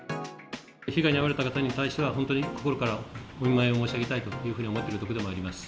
被害に遭われた方に対しては、本当に心からお見舞い申し上げたいというふうに思っているところでございます。